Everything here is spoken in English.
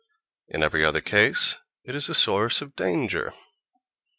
In every other case it is a source of danger.